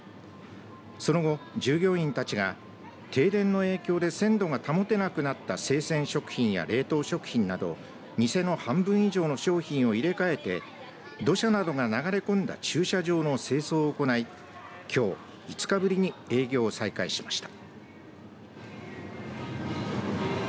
その後、従業員たちが停電の影響で鮮度が保てなくなった生鮮食品や冷凍食品など店の半分以上の商品を入れ替えて土砂などが流れ込んだ駐車場の清掃を行いきょう５日ぶりに営業を再開しました。